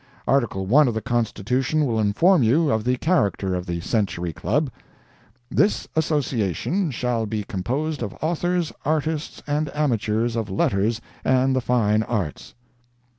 Article I of the Constitution will inform you of the character of the Century Club: "This Association shall be composed of authors, artists and amateurs of letters and the fine arts."